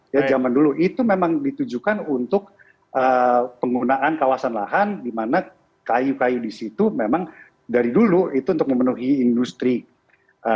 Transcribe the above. ya zaman dulu itu memang ditujukan untuk penggunaan kawasan lahan dimana kayu kayu disitu memang dari dulu itu untuk memenuhi indonesia